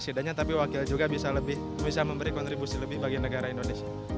presidennya tapi wakil juga bisa lebih bisa memberi kontribusi lebih bagi negara indonesia